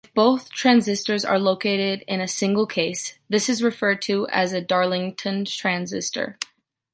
If both transistors are located in a single case, this is referred to as Darlington-Transistor.